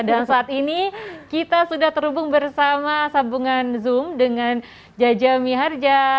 dan saat ini kita sudah terhubung bersama sambungan zoom dengan jaja miharja